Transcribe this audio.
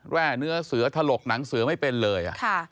แร่เนื้อเสือถลกหนังเสือไม่เป็นเลย